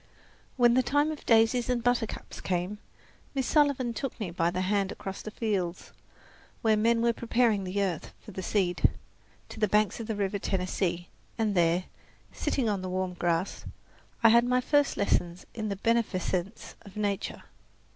When the time of daisies and buttercups came Miss Sullivan took me by the hand across the fields, where men were preparing the earth for the seed, to the banks of the Tennessee River, and there, sitting on the warm grass, I had my first lessons in the beneficence of nature.